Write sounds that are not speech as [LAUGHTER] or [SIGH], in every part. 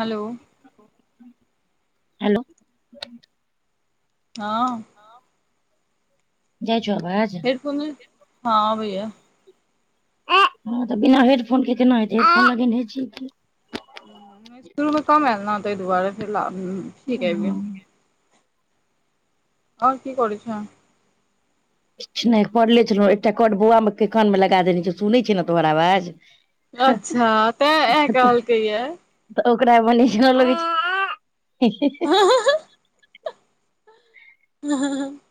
हलो hello हँ जाइ छौ अबाज देख हँ अबैय हँ तऽ बिना हेडफोन केना है छै हे लगेने शुरू मे कम आयल ने ताहि दुआरे फेर [INAUDIBLE] ओ ह गेल आओर की करै छेएं किछ नहि पढ़ले छलहुँ एकटा करड बौआमे के कानमे लगा देने छै सुनै छै ने तोहर आवाज अच्छा तें एं कहलकै ये तऽ ओकरा बनी लगै छै ह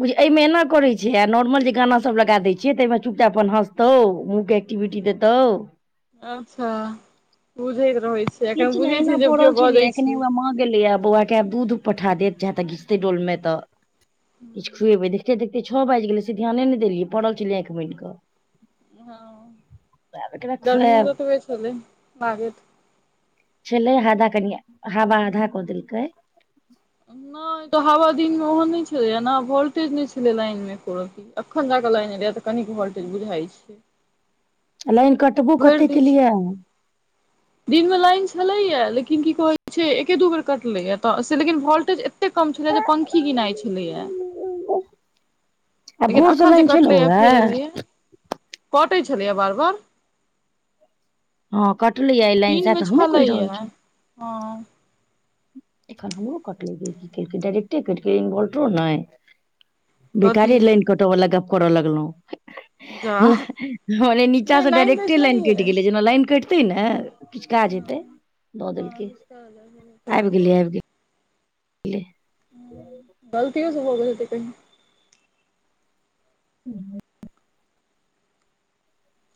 बुझिय एहिमे एना करैत छै आ नॉर्मल जे गाना सभ लगा दै छिय ताहिमे चुपचाप अपन हँसतौ मुँह एक्टीविटी देतौ अच्छा बुझैत रहै छै एखन किछ नहि बुझै अना छै जब केओ पड़ल छलियै बजै छै एखने मां गेलै बौआ के दूध पठा देव चाहे तऽ घिचते डोल मे तऽ किछु खुएबे देख देखते देखते छ बाजि गेलै से ध्यान नहि देलियै पड़ल छलियै आखिं मुइन कऽ हँ आब एकरा गर्मीयो खुआएब त ओतबे छलै [UNINTELLIGIBLE] छलै हाधा कनि हाबा आधा कदेलकै नय तऽ हवा दिन मे ओहन नै छलै ना वोल्टेज नै छलै लाइन मे एको रती एखन जाक लाईन एलैया तऽ कनिक वोल्टेज बुझाइ छै लाइन कटबो भरि कते के दिन लैया [INAUDIBLE] दिनमे लाइन छलैया लेकिन की कहै छै एके दू बेर कटलैए तऽ से लेकिन वोल्टेज ए एते कम छलैया जे पंखी गिनाइ छलैया लेकिन भोर से अखन जे लाइन कटलैया छलौए फेर एलै या कटै छलैया बार बार हँ कटलै या आई लाइन से दिनमे तऽ हमहु कहि छलैए रहल छीयौ हँ एखन हमरो कटलै गै कि केलकै इभौटरो नाय कथी बेकारे लाइन कट बला गप करऽ लगलौं जा मने नीचास नहि स लाइन दै डायरेक्टे लाइन छलैये कटि गेलै जेना लाइन कैटतै ने किछु काज हेतै दऽ देलकै चलू ह [UNINTELLIGIBLE] आबि गेलियै आबि गेल एलै गलतीओ स भ गेल हेतै कही हूँ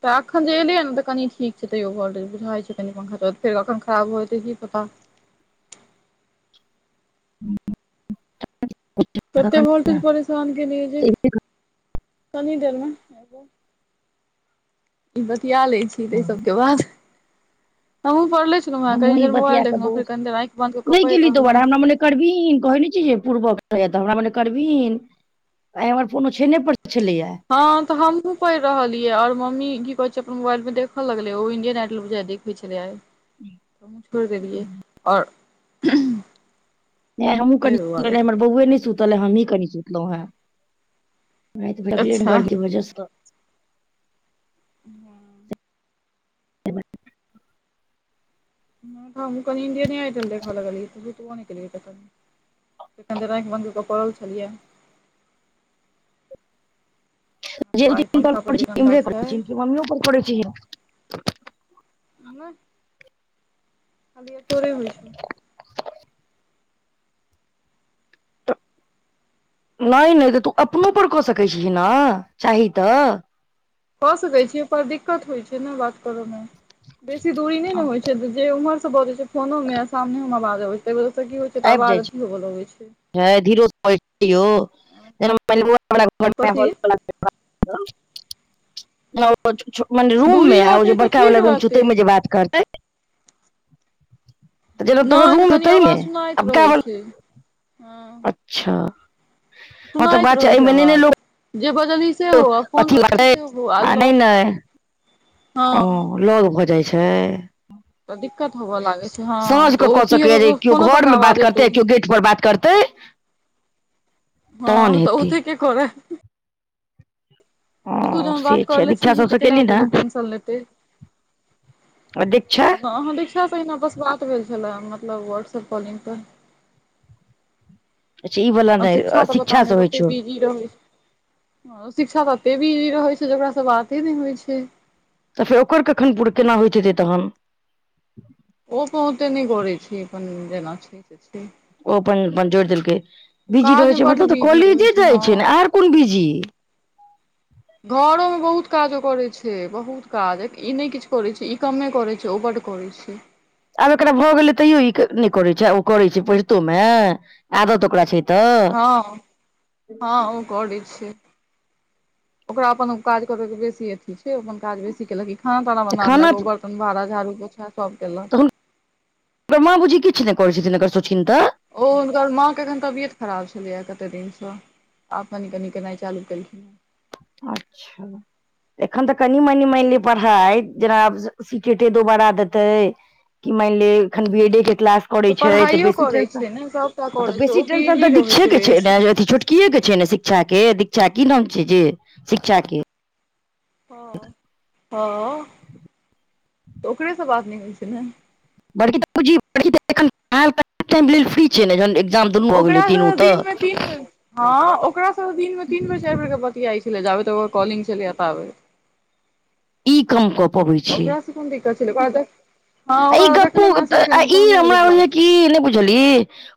तऽ एखन जे एलियै ने तऽ कनि ठीक छै तैयो भौलटेज बुझाइ छै कनि पंखा चलै फेर एखन खराब भ जेतै की पता। हूँ [UNINTELLIGIBLE] कते वोल्टेज परेशान केनेयै जे कनी देर मे ई बतिया लै छी तैई सब के बाद हमू पढ़ले छी लौ हँ हमहुँ ई कनि देर बतिया मोबाल कऽ बौआ देखलौं फेर कनि देर आँखि बंध कऽक पड़ि रहलौं करबीन कहै नै छी जे पूर्वके तऽ हमरा मने करबीन आय हमर फोन औछेने पर छलैया हँ तऽ हमहुँ पैड़ रहलियै आओर मम्मी की कहै छै अपन मोबाइल मे देख लगलेै ओ इंडियन आइडल बुझाय दे भी छलयैया आय त हमहुं छोड़ि देलियै आओर आई हमहूँ ताहि कनी दुआरे सुतले हमर बौए नै सुतला हमही कनि सुतलौं हेँ। राति भऽ गेलय ने अच्छा गाड़ी के बजह स [UNINTELLIGIBLE] हँ ह [UNINTELLIGIBLE] हमहूं कनी ईन्डियने आइडल देखऽ लगलियै उठबो नै केलियै फेर कनि देर आंखि बन्द कऽक पड़ल छलिया तकर तीन बाद एहि पंखापर प जे गन्दा छै इमहरे मम्मी पर पढ़ै छै [UNINTELLIGIBLE] नहि खालीये तोरे होइ छै नै नै तऽ तू अपनोपर कऽ तहन सकै छीही न चाही तऽ। कऽ सकै छीयै न पर दिक्कत होइ छै न बात कर मे। बेसी दूरी नै ने होइ छै जे उम्हर स बजय छै फोनो मे आ सामने उमे आबाज अबै छै। ताहि वजहसँ कि होइ छै तऽ आवाज अथी होबऽ लगै छै। ह धीरोल छै [UNINTELLIGIBLE] [UNINTELLIGIBLE] मने कथी ओ छ रूम मे दूरी आ ओ जे रहतै तऽ बड़का ठीक वाला रूम छै रहतै तै मे जे बात करतै। [INAUDIBLE] [UNINTELLIGIBLE] जेना तोहर नहि गे रूम छै कनि ताहिमे आवाज सुनाइत आ बड़का रहैत वाला छै हँ। अच्छा हतऽ सुनाइत बात छै रहै ऐमे नैने आवाज लोक जे बजली सेहो आ फोन अथी करली करतै सेहो आ नहि लॉग ने ओ लौग भऽ जाइ छै। तऽ दिक्कत होबय लागै छै हँ सांझ तऽ क ओ कऽ की सकै ये जे हेतौ केओ फोनो पर घऽर का मे आवाज बात एतौ करतै आ केओ गेट पर बात करतै। तहन हँ तऽ हेतै ओते के कऽरै। ततू हँ जहन से बात करै छै ले दीक्षा छिही तऽ सबसँ केली केलाऽ ने ओते लोक टेन्शन लेतैय। आ दिक्षा अहाँ दिक्षा से अहिना बस बात भेल छले मतलब व्हाट्सअप कॉलिंग पर। अच्छा ई बला आ शिक्षा तऽ पता नहि कते बीज जी रहय छै। शिक्षा तऽ एते बीजी रहै छै जे ओकरा से बाते नहि होइ छै। तऽ फेर ओकर कखन पूर केना होइत हेतै तखन। ओ बहुते नहि बढय छै अपन जेना छै से छै। ओ अपन अपन जोड़ि देलकै ओ बिजी रहैत काजमे छै बड्ड मतलब तऽ बिजी रहै कॉलेजे जाइ हँ छै ने आर कोन बिजी। घरोमे बहुत काज ओ करैत छै बहुत काज ई नहि किछु करैत छै ई कमे करैत छै ओ बड करय छै। आब एकरा भऽ गेलै तैयो ई नहि करै छै आ ओ करै छै पढ़ितो मे आदत ओकरा छै तऽ। हँ हँ ओ कऽरय छै। ओकरा अपन काज करबैके बेसी अथी छै अपन काज बेसी केलक कि खाना ताना बना खाना लेलक ओ बर्तन भाड़ा झाड़ू पोछा सभ केलक। ओकर मां बुझी किछु नहि करै छथिन सोचथिन तऽ। ओ हुनकर माँ के एखन तबियत खराब छलैएा कते दिनसँ। आब कनि कनी केनाइ चालू केलखिन अच्छा एखन तऽ कनि मनि मानि ले पढ़ाइ जेना आब सिटेटे दोबारा देतै की मानि ले एखन बी एड ए के क्लास करै छै तऽ पढ़ाइयो बेसी करैत छै ने सभटा टेंशन करैत छै ओ बेसी टेंशन बिजी तऽ रहैत दिक्षे के छै बेसी न छोट कीए के छै ने शिक्षा के दीक्षा की नाम छै जे शिक्षा के ह हँ ओकरेसँ बात नहि होइ छै न बड़की फ्री छै कि [INAUDIBLE] जाम दुनू भऽ गेलै तीनू ओकरासँ तऽ दिनमे तीन बेर हँ ओकरा सबसँ दिन मे तीन बेर चारि बेर के बतियाइत छलै जाबे तऽ ओकर कॉलिंग छलै एताबै ई कम कऽ पबैत छियै ओकरासँ कोन दिक्कत छलैऽ आ ई गप्पू आ ई तहने ओ हमरा रिप्लाई बुझाय केलक की नहि बुझली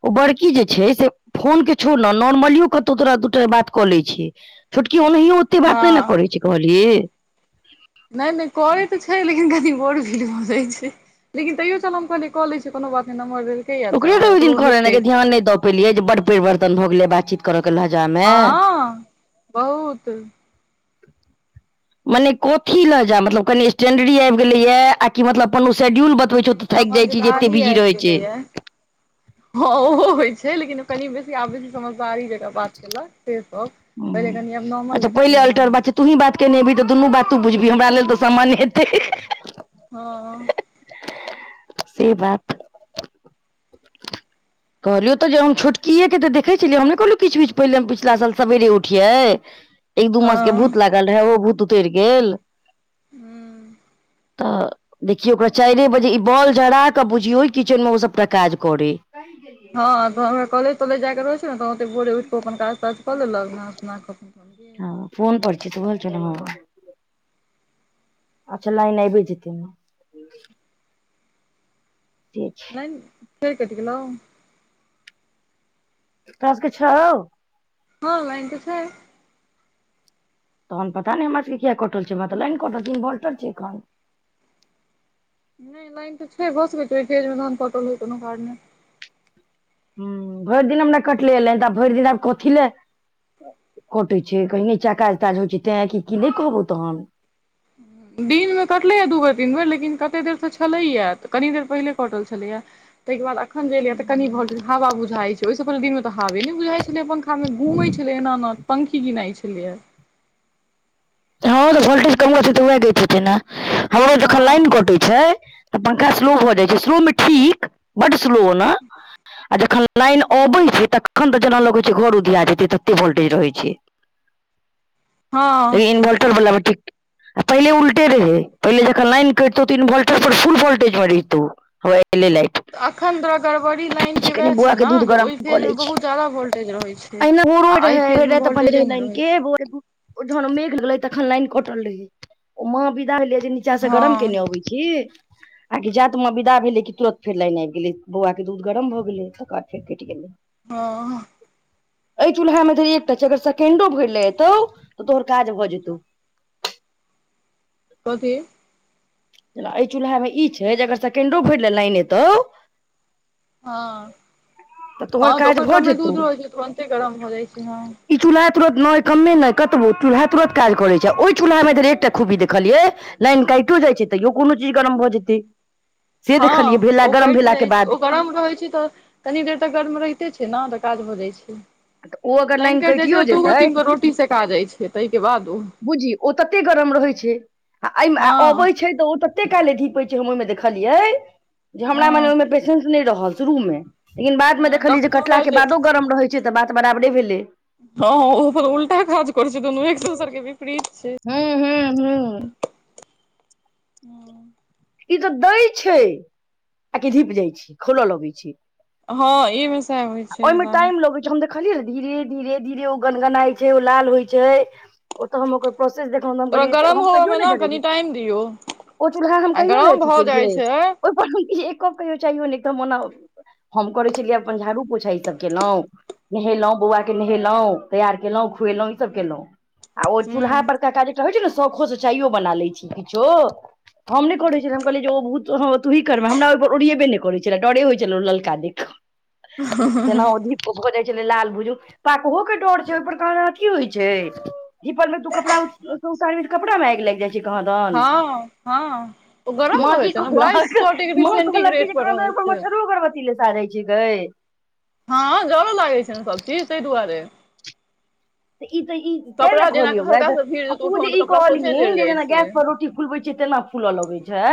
ओ बड़की जे छै से फोन के छोर न नॉर्मलियो कतहु तोरा दू टा बात कऽ लैत छै छोटकी ओनहियो ओते बात नहि न हँ करै छै कहलियै नहि नहि करै तऽ छै लेकिन कनि बोर फिल भऽ जाय छै लेकिन तैयो चल हम कनि कऽ लै छै कोनो बात नहि नमहर भेलै ओकरे तऽ ओहि दिन करेना के ध्यान नहि दऽ पेलियै जे बड परिवर्तन भऽ गेले बातचीत करऽ के लहजा मे हँ बहुत मने कथी लऽ जा मतलब कनी स्टैंडरी आबि गेलैएा आ कि मतलब कोनो शेड्यूल बतबै छौ नहि तऽ थाकि जाइ छै जे एते समझदारी बिजी आबि रहै छै गेलैए हँ ओहो होइ छै लेकिन कनि बेसी आब छै समझदारी बात केलक से सब पहिले कनि आब नॉर्मल अच्छा जकाँ पहिले रहै नऽ अल्टर बात छै तूही बात केनेबही तऽ दुनू बात त बुझबही हमरा लेल तऽ सामान्य हेतै हँ से बात [INAUDIBLE] कहलियौ तऽ जे हम छोटकिए केँ तऽ देखे छलियै हम नइ कहलियो किछ बिच पहिले हम पछिला साल सबेरे उठियै [INAUDIBLE] एक दू मास केँ हँ भूत लागल रहै ओहो भूत उतैर गेल हुँ तऽ देखियौ ओकरा चाइरे बजे ई बॉल जरा कऽ बुझियौ किचेन मे ओ सभटा काज करै हँ तऽ हमरा कलेज तलेज जाय के रहै छै ने त ओते भोरे उठिके अपन काज ताज कऽ लेलक नहा सोना कऽ गेल हँ फोन पर [UNINTELLIGIBLE] हँ अच्छऽ लाइल आइबे जेतै नऽ [UNINTELLIGIBLE] लाइन फेर कइट गेलो तोय सबके छौ हँ लाइन तऽ छै तहन पता नइ हमर सबके किया कटल छै हमरा तऽ लाइन कटल छै इन्वर्लटर छै एखन नय लाइन तऽ छै भऽ सकैे ओय फेज मे तहन कटल होइ कोनो कारने हुँ भरि दिन हमरा कटले य लाइन तऽ भइर दिन आब कथि लऽ कटै छै कहि निचा काज ताज होइ छै तै कि की नय कहबौ तहन दिनमे कटलै य दू बेर तीन बेर लेकिन कतेक देर तऽ छलैय यऽ तऽ कनी देर पहिनेे कटल छलैय ताहि बादखन जे एलै तऽ कनि वोलटेज हवा बुझाइ छै ओहिसँ पहिने दिन मे तऽ हावे नय बुझाइ छलै अपन मे घूमै छले एना एना पंखी गिनाइ छलैे यऽ हँ तऽ वोल्टेज कम रहतै तऽ वैह दैत हेतै हमरो जखन हँ लाइन हूँ कटै छै तऽ पंखा स्लो भऽ हूँ जाइत छै स्लोमे ठीक बड्ड स्लो ओना जख लाइन अबै छै तखन जेना लगै छै घर उधिया जेतै तते वोल्टेज रहै छै हँ इन भोलटर बला बेट्रीक आ पहिले उल्टे रहै पहिले जखन लइन करटितौ तऽ इनवोल्टर पर फुल वोल्टेजमे रहितौ होवै एलै लाइट अखन तोरा गड़बड़ी लाइन केँ वैह कनि बौआ छै के दूध नऽ जे गरम ओहि कऽ फेज मे लै छी बहुत जदा वोल्टेज रहै छै अहिना भोरो आ रहै एहि फेज भरि मे राति अपन भोलटेजे नय लाइन रहै के छै भोरे जहन मेघ गेले तखन लाइन कटल रहे ओ माँ विदा भेले जे निचा से गरम हँ केने अबे छी आ की जात माँ विदा भेले कि तुरत फेर लाइन आइब गेलै बौआ केँ दूध गरम भऽ गेलै तकर बाद फेर कइट गेलै हँ एहि चूल्हामे धैर एकटा छै अगर सेकेंडो भैर लऽ एतौ तऽ तोहर काज भऽ जेतौ कथी जेना एय चूल्हामे ई छै जे अगर सेकेंडो भैर लऽ लाइन एतौ हँ हँ तोहर तऽ काज ओकर भऽ कमे जेतौ दूध रहै छै तुरन्ते गरम भऽ जाइ छै हँ ई चूल्हा तुरत नय कमे नय कतबो चूल्हा तुरन्त काज करै छै ओहि चूल्हामे धैर एकटा खुबी देखलियै लाइन काटियो जाइ छै तैयो कोनो चीज गरम भऽ जेतै से देखलियै हँ भेला ओ गरम कटि भेला के जाइ छै ओ बाद गरम रहै छै तऽ तनी देर तक गरममे रहिते छै ने तऽ काज भ जाय छै ओ अगर लाइन कटि जाय कटियो छै दूगो जेतै तीन गो रो कुट्टी से काजय छै ताहि के बाद ओ बूझी ओ तते गरम रहैत छै आ एहि मे हँ अबैत त ओ तते काल धीपै छै हम देखलियै हमरा मानि हँ नहि रहल शुरू मे लेकिन बाद मे हँ देखलियै जे कखनो कटला काल के बादो गरम रहैत छै तऽ बात बराबरे भेलै हँ ओ अपन उल्टा काज करझ छै दुनू एक दोसर के विपरीत छै हँ हू हूँ हूँ ई तऽ दै छै आ कि धीप जाइ छी खोलऽ लगै छै हँ ई मे सबइ छै ओहिमे टाइम लगै हम देखलियै ने धीरे धीरे धीरे ओ गनगनाइ छै ओ लाल होइ छै ओ तऽ हम ओकर प्रोसेस देखलौ त गरम हम होबय कहियो मे नहि ने देखलौ कनि टाइम दियौ ओ चुल्हा आ गरम भऽ जाइ छै [INAUDIBLE] हम करै छलियै अपन झाड़ू पोछा ई सब केलौ नहेलहुँ बौआ के नहेलहुँ तैयार केलहुँ खुएलहुँ ईसभ केलहुँ आ ओ हूँ चूल्हा परड़का काज जेटा होइ छै ने शौखो से चाइयो बना लैत छी किछो हम ने करै छलौ त कहल बहुत ह तुही करब हमरा ओहि उड़ियबे नहि करै छल डरे होइ छल ललका देख के तेना ओ भऽ जाइ छलै लाल भूजू पाकहो के डर छै ओहिपर कहादन अथी होइ छै ईी पल तू कपड़ा सौ सी कपड़ा मे आगि लागि जाइ छै कहाँदन हँ हँ ओ गरम माँ रहै की छै ने बाइस कहलक सए डिग्री माँ कहलक की सेंटीग्रेड जे पर रहै कहादन छै मच्छरो अगरबत्ती लेसा रहै छिके हँ जरो लागैत छै न सभ चीज ताहि दुआरे तऽ ई तऽ ई तै ने कपड़ा जेना कहलियौ गे हल्का सा भीड़ आ जेतौ तू उठो जे मे तऽ ई कपड़ा सोझे कहलिहेन जरि जाइ जेना गैस छै पर रोटी फुलबैत छियै तेना फूलऽ लगैत छै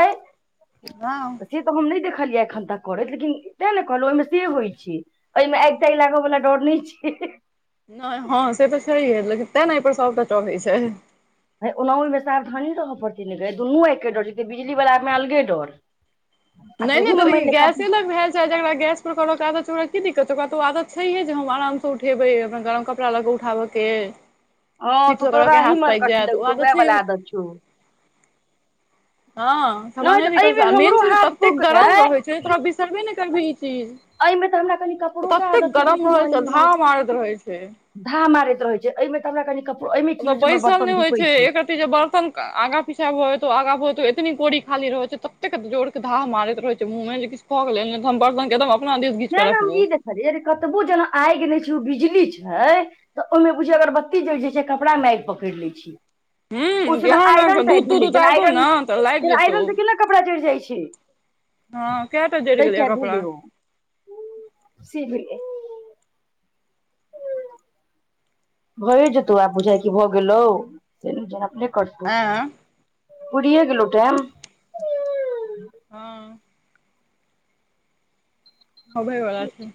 हं तऽ से तऽ हम नहि देखलियै एखन तक करैत लेकिन तैँ ने कहलहुँ ओहिमे से होइत छै ओहिमे आगि तागि लागऽ बला डर नहि छै नहि हँ से तऽ छैहे लेकिन तें ने पर सबटा डरै छै हे ओना ओहिमे सावधानी रहऽ पड़तै नै दुनू आगिक के डर जेै बिजली वलामे अलगे डर आ नहि नहि तोहू मे तऽ मानि ले गैस तक ल गैस पर आदत छै ओकरा कि दिक्तत ओकराआदत छै हे। जे हम आराम से उठेबे कपड़ा लऽ के उठाबऽ के हँ ठीक से करऽ के हाथ पाकि जायत ओह आदत त छैहे अचछो हँ नहि तऽ समझ एहिमे मेन हमरो चीज हाथ ततेक पक छै गरम रहैत छै। तोरा बिसरबे नहि करबिही चीज एहिमे तऽ हमरा कनि कपड़ो के ततेक आदत छै गरम रहै छै। शिवानी धा मारैत रहै छै। धा मारैत रहै छै। एहिमे तऽ हमरा कनि कप एहिमे ओतऽ की होइ छै हमर बैसल नहि बर्तन होइ धिपै छै। एक जे बर्तन आगा पीछा आगा बतो एतनी कोरी खाली रहे छैे तते जोर धा मारैत रहै छै मुँहमे जे किछ भऽ गेल नहि नहि हम ई देखलहियै कतबो जेना आगि गेल नहि छै ओ बिजली छै। तऽ ओहिमे बुझि अगरबत्ती जैल जाय छै। कपड़ा म आगि पकड़ि लै छै हूँ ओ स [UNINTELLIGIBLE] जहाँ ने आयरन दूध टाइप तूध भेलै जेना उतारबौ आयरन ने तऽ लागि जेना जेतौ आयरन से केना कपड़ा जैड़ जाइत छै हँ के टा जइड़ तै गेलै कपड़ा सहीए भए जेतौ आ बुझाइ कि भऽ गेलौ [INAUDIBLE] अपने करतौ आँय पुरियो गेलो टाइम हँ अबै वला छै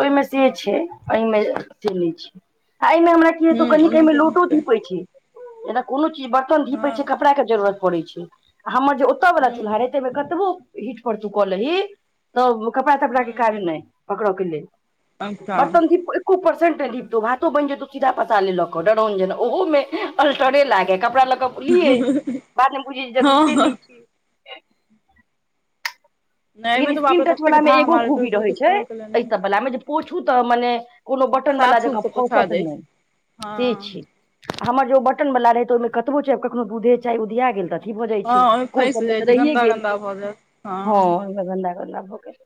ओहिमे से छै एहिमे से नय छै आ एहिमे हमरा कि हूँ हैतो कनि क ऐ ओना मे लोटो धीपे छै एना कोनो चीज बर्तन धीपे हँ छै कपड़ा के जरूरत पड़ै छै आ हमर जे ओतय वाला हूँ चूल्हा रहै तेइ मे कतबो हिट पर तू कऽ ली ही तब कपड़ा तपड़ा के हूँ काज नय पकड़ऽ के लेल अच्छा बर्तन धी एको परसेन्ट नय डिपतौ भातो बैन जेतौ सीधा पसारे लऽ कऽ डउन जेना ओहोमे अल्टरे लागै कपड़ा लऽ कऽ ऊ लिए बाद मे बुझी जरूरते हँ नय छै नहि मे लेकिन तऽ बाप स्क्रीन रे टच ततेक वला मे धाह एगो मारैत खूबी रहै किछु छै कहऽ के लेल एह नहि सब वला मे जे पोछू तऽ मने कोनो बटन वाला साफ सूफ जकाँ से पोछा फँसत दै छै नय हँ से छै हमर जो बटन वला रहै तऽ ओहिमे कतबो छै कखनो दूधे चाहे उधिया गेल रह अभि भ जाइ छै हँ ओहिमे कोर सब फँसि मे जाइ तऽ छै रहिए गन्दा गेल गन्दा भऽ जायत हँ ओ गन्दा गन्दा भ गेल